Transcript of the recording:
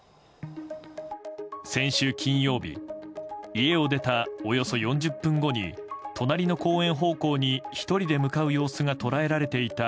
先週金曜日家を出たおよそ４０分後に隣の公園方向に１人で向かう様子が捉えられていた